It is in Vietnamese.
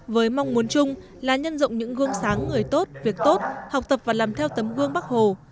với mong muốn chung là nhân rộng những gương sáng người tốt việc tốt học tập và làm theo tấm gương bắc hồ